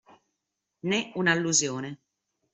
Nè una allusione